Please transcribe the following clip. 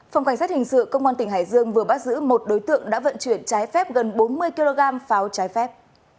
phòng cảnh sát hình sự công an tỉnh hải dương vừa bắt giữ một đối tượng đã vận chuyển trái phép gần bốn mươi kg pháo trái phép